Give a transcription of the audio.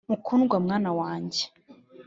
mukundwa mwana wanjye